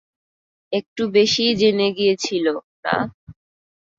একটু বেশিই জেনে গিয়েছিল, না?